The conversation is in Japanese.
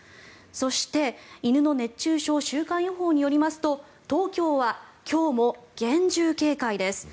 そして犬の熱中症週間予報によりますと東京は今日も厳重警戒です。